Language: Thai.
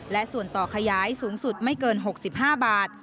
และส่วนต่อขยายสูงสุดไม่เกิน๖๕บาท